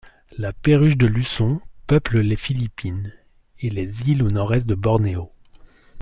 La Perruche de Luçon peuple les Philippines et les îles au nord-est de Bornéo.